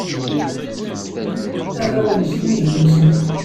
Arraw-nnes d ineglusen.